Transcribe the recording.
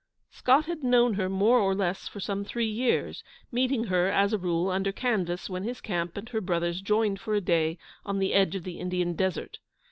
Scott had known her more or less for some three years, meeting her, as a rule, under canvas when his camp and her brother's joined for a day on the edge of the Indian Desert.